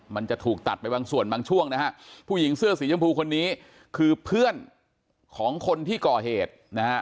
มันจะถูกตัดไปบางส่วนบางช่วงนะฮะผู้หญิงเสื้อสีชมพูคนนี้คือเพื่อนของคนที่ก่อเหตุนะฮะ